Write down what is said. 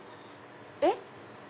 えっ？